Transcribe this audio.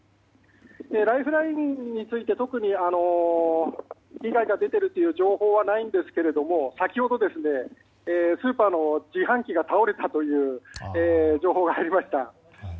ライフラインについて特に被害が出ているという情報はないんですが先ほどスーパーの自販機が倒れたという情報が入りました。